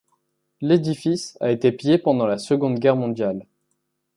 L'édifice a été pillé pendant la Seconde Guerre mondiale.